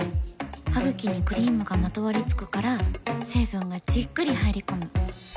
ハグキにクリームがまとわりつくから成分がじっくり入り込む。